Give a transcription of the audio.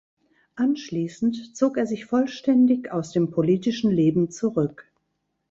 Anschließend zog er sich vollständig aus dem politischen Leben zurück.